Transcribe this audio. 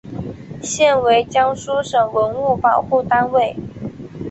现为江苏省文物保护单位。